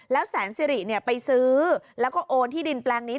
แล้วแสนสิริไปซื้อแล้วก็โอนที่ดินแปลงนี้